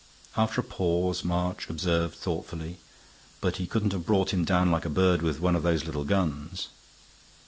After a pause March observed, thoughtfully, "But he couldn't have brought him down like a bird with one of those little guns."